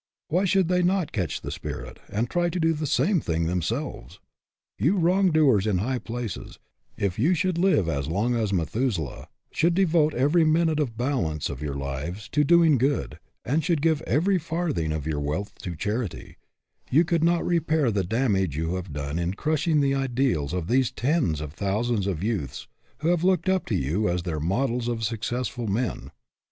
Why should they not catch the spirit, and try to do the same thing themselves? You wrongdoers in high places, 'if you should live as long as Methuselah, should devote every minute of the balance of your lives to doing good, and should give every farthing of your wealth to charity, you could not repair the damage you have done in crushing the ideals of these tens of thousands of youths who have looked up to you as their models of successful men.